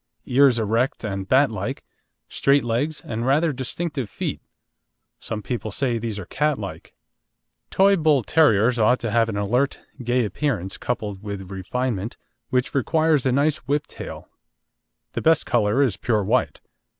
Ears erect and bat like, straight legs and rather distinctive feet; some people say these are cat like. Toy Bull terriers ought to have an alert, gay appearance, coupled with refinement, which requires a nice whip tail. The best colour is pure white.